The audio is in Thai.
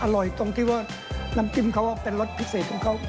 ตรงที่ว่าน้ำจิ้มเขาเป็นรสพิเศษของเขา